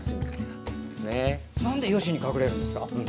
なんでヨシに隠れるんですか？